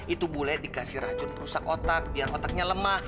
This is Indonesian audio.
itu bule dikasih racun rusak otak biar otaknya lemah